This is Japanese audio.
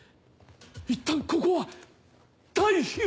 いったんここは退避を！